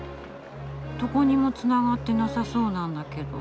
どこにもつながってなさそうなんだけど。